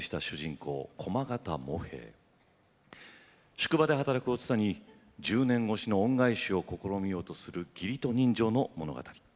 宿場で働くお蔦に１０年越しの恩返しを試みようとする義理と人情の物語。